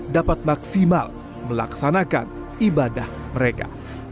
dapat maksimal melaksanakan ibadah mereka